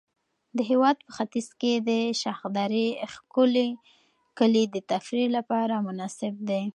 د هېواد په ختیځ کې د شخدرې ښکلي کلي د تفریح لپاره مناسب دي.